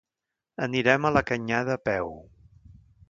Anirem a la Canyada a peu.